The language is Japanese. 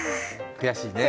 悔しいねぇ。